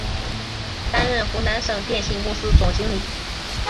担任湖南省电信公司总经理。